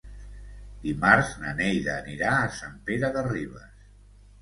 Dimarts na Neida anirà a Sant Pere de Ribes.